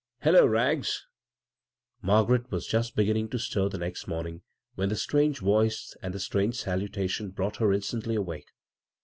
"Hullo, Rags I" Margaret was just begfinning to stir next morning when the strange voice i the strange salutation brought her instat awake.